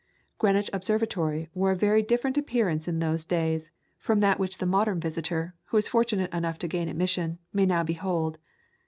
Greenwich Observatory wore a very different appearance in those days, from that which the modern visitor, who is fortunate enough to gain admission, may now behold.